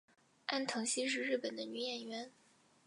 安藤希是日本的女演员。